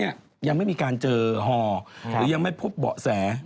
ยังไม่มีการเจอฮอหรือยังไม่พบเบาะแส